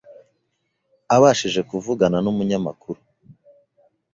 Ababashije kuvugana n’umunyamakuru,